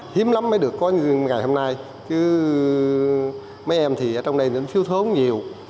hiếm lắm mới được có ngày hôm nay mấy em thì ở trong đây vẫn phiếu thốm nhiều